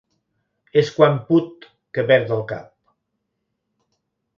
És quan put que perd el cap.